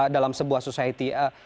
dalam sebuah society